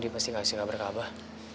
pasti kasih kabar ke abah